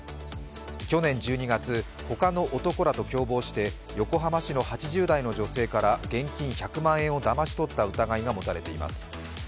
去年１２月、ほかの男らと共謀して横浜市の８０代の女性から現金１００万円をだまし取った疑いが持たれています。